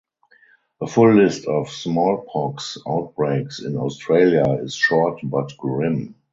A full list of smallpox outbreaks in Australia is short but grim.